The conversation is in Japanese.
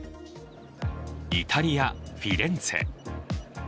イタリア・フィレンツェ。